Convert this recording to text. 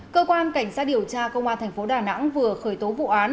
cơ quan cảnh sát điều tra công an thành phố đà nẵng vừa khởi tố vụ án